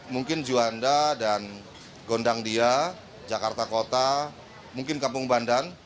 mungkin juanda dan gondangdia jakarta kota mungkin kampung bandan